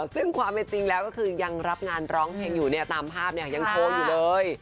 ซึ่งความเป็นจริงแล้วก็คือยังรับงานร้องเพลงอยู่เนี่ยตามภาพเนี่ยยังโชว์อยู่เลย